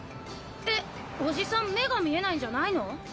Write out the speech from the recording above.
えおじさん目が見えないんじゃないの？